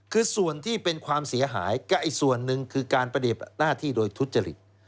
คือส่วนที่เป็นความเสียหายก็อีกส่วนหนึ่งคือการปฏิบัติหน้าที่โดยทุจริต